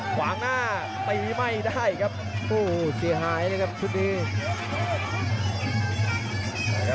ขวางหน้าตีไม่ได้ครับผู้เสียหายเลยครับชุดนี้